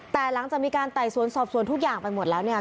แต่หลังจากมีการไต่สวนสอบสวนทุกอย่างไปหมดแล้วเนี่ย